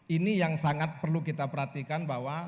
ini yang sangat perlu kita perhatikan bahwa